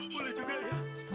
boleh juga ya